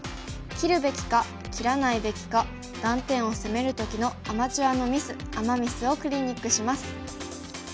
切るべきか切らないべきか断点を攻める時のアマチュアのミスアマ・ミスをクリニックします。